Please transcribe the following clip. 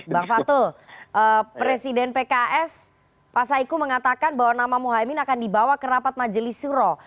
bang fatul presiden pks pak saiku mengatakan bahwa nama muhaymin akan dibawa ke rapat majelis suro